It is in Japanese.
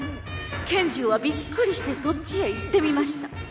虔十はびっくりしてそっちへ行ってみました。